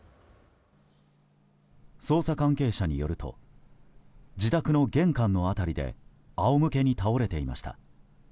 捜査関係者によると自宅の玄関の辺りで仰向けに倒れていました。